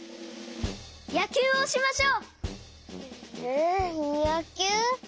やきゅうをしましょう！えやきゅう？